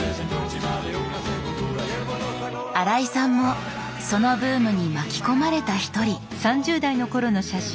新井さんもそのブームに巻き込まれた１人。